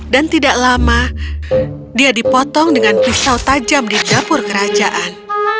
dan tidak lama dia dipotong dengan pisau tajam di dapur kerajaan